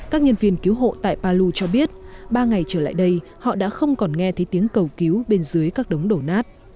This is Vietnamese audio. các nhân viên cứu hộ tại palu cho biết ba ngày trở lại đây họ đã không còn nghe thấy tiếng cầu cứu bên dưới các đống đổ nát